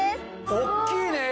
大っきいね。